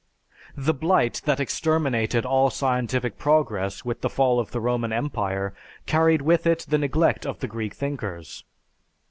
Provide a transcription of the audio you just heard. The blight that exterminated all scientific progress, with the fall of the Roman Empire, carried with it the neglect of the Greek thinkers.